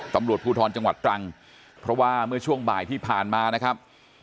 ตำรวจภูทรจังหวัดตรังเพราะว่าเมื่อช่วงบ่ายที่ผ่านมานะครับ